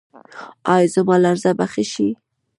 ایا زما لرزه به ښه شي؟